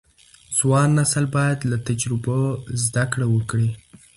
ځوان نسل باید له تجربو زده کړه وکړي.